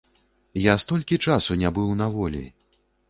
Я столькі часу не быў на волі!